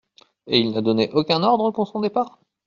Et il n’a donné aucun ordre pour son départ ?